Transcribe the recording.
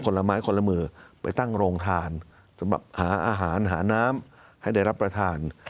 ละไม้คนละมือไปตั้งโรงทานสำหรับหาอาหารหาน้ำให้ได้รับประทาน